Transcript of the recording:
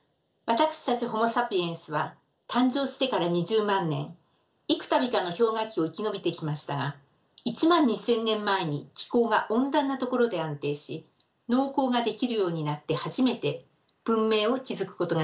私たちホモ・サピエンスは誕生してから２０万年幾たびかの氷河期を生き延びてきましたが１万２，０００年前に気候が温暖なところで安定し農耕ができるようになって初めて文明を築くことができました。